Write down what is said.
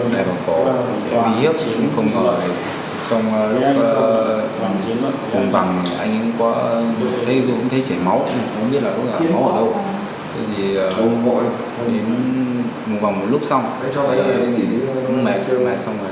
tôi cũng thấy chảy máu không biết là có chảy máu ở đâu